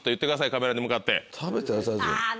カメラに向かって。